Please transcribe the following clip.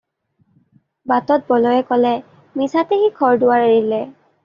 বাটত বলোৱে ক'লে- "মিছাতে সি ঘৰ-দুৱাৰ এৰিলে!"